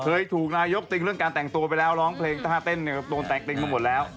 เคยถูกนายกติงเรื่องการแต่งตัวไปแล้วร้องเพลงท่าเต้นเนี่ยโดนแตกติ้งมาหมดแล้ว